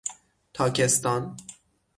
تاکستان